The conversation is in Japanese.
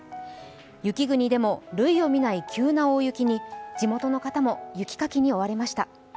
雪国でも類を見ない急な大雪に地元の方も雪かきに追われました。